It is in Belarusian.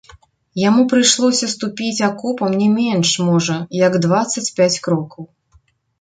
Яму прыйшлося ступіць акопам не менш, можа, як дваццаць пяць крокаў.